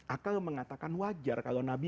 akal mengatakan wajar kalau nabi